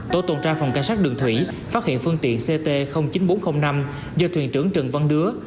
tổ tuần tra phòng cảnh sát đường thủy phát hiện phương tiện ct chín nghìn bốn trăm linh năm do thuyền trưởng trần văn đứa